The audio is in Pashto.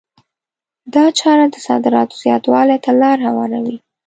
دا چاره د صادراتو زیاتوالي ته لار هواروي.